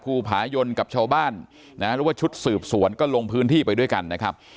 ผายนกับชาวบ้านนะหรือว่าชุดสืบสวนก็ลงพื้นที่ไปด้วยกันนะครับ